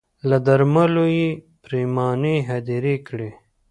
له درملو یې پرېماني هدیرې کړې